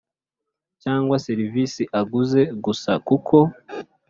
cyangwa serivisi aguze gusa kuko